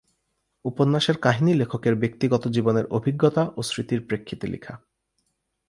উপন্যাসের কাহিনী লেখকের ব্যক্তিগত জীবনের অভিজ্ঞতা ও স্মৃতির প্রেক্ষিতে লিখা।